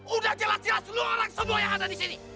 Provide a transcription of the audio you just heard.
udah jelas jelas seluruh orang semua yang ada di sini